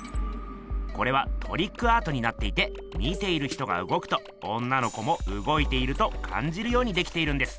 これはトリックアートになっていて見ている人がうごくと女の子もうごいているとかんじるようにできているんです。